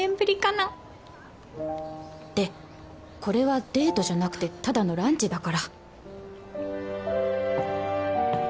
ってこれはデートじゃなくてただのランチだから！